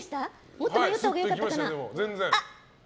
もっと迷ったほうが良かったかな。